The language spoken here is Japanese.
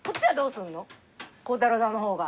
孝太郎さんの方は。